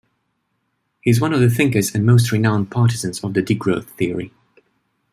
He is one of the thinkers and most renowned partisans of the degrowth theory.